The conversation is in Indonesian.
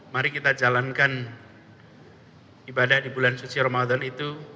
mari kita jalankan ibadah di bulan suci ramadan itu